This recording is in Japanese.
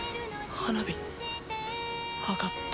「花火上がった」